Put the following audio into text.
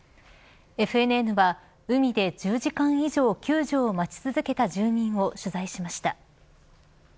ＦＮＮは、海で１０時間以上救助を待ち続けた住民を取材しました。